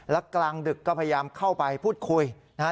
แล้วกลางดึกก็พยายามเข้าไปพูดคุยนะฮะ